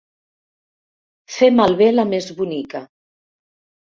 Fer malbé la més bonica.